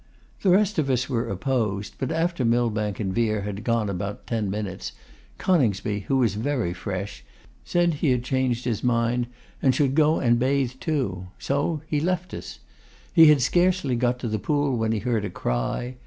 The rest of us were opposed; but after Millbank and Vere had gone about ten minutes, Coningsby, who was very fresh, said he had changed his mind and should go and bathe too. So he left us. He had scarcely got to the pool when he heard a cry.